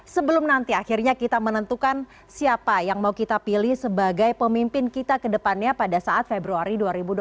sebelum nanti akhirnya kita menentukan siapa yang mau kita pilih sebagai pemimpin kita ke depannya pada saat februari dua ribu dua puluh empat